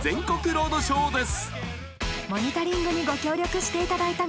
ロードショーです